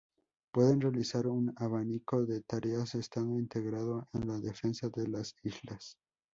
Pueden realizar un abanico de tareas estando integrado en la defensa de las islas.